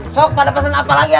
so pada pesan apa lagi ya